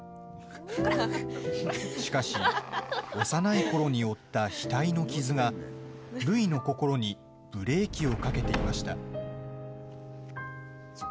しかし幼いころに負った額の傷がるいの心にブレーキをかけていました。